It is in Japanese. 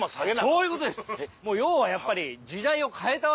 そういうことです！でしょ。